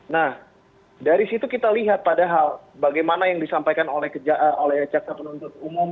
nah dari situ kita lihat padahal bagaimana yang disampaikan oleh jaksa penuntut umum